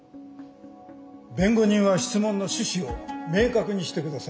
弁護人は質問の趣旨を明確にしてください。